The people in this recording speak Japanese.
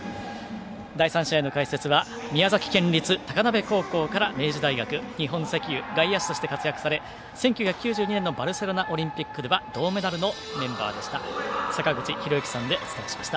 第３試合の解説は宮崎県立高鍋高校から明治大学、日本石油で外野手として活躍され１９９２年のバルセロナオリンピックでは銅メダルのメンバーでした坂口裕之さんでお伝えしました。